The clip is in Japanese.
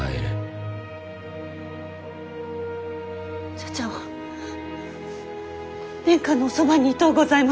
茶々は殿下のおそばにいとうございます。